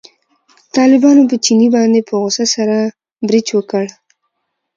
طالبانو په چیني باندې په غوسه سره بړچ وکړ.